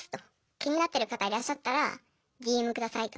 「気になってる方いらっしゃったらＤＭ下さい」と。